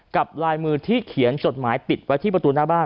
ลายมือที่เขียนจดหมายปิดไว้ที่ประตูหน้าบ้าน